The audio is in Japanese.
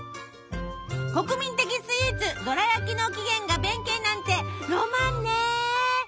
国民的スイーツどら焼きの起源が弁慶なんてロマンね！